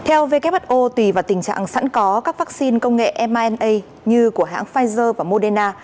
theo who tùy vào tình trạng sẵn có các vaccine công nghệ mna như của hãng pfizer và moderna